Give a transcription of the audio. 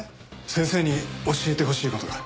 先生に教えてほしい事が。